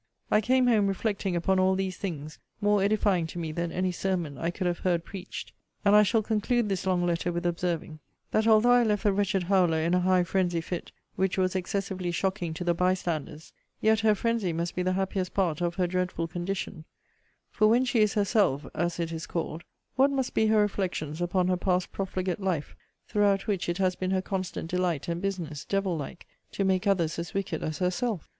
I came home reflecting upon all these things, more edifying to me than any sermon I could have heard preached: and I shall conclude this long letter with observing, that although I left the wretched howler in a high phrensy fit, which was excessively shocking to the by standers; yet her phrensy must be the happiest part of her dreadful condition: for when she is herself, as it is called, what must be her reflections upon her past profligate life, throughout which it has been her constant delight and business, devil like, to make others as wicked as herself!